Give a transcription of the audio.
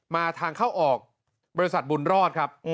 มาทางเข้าออกบริษัทบุญรอดครับ